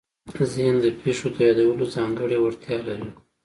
ذهن د پېښو د یادولو ځانګړې وړتیا لري.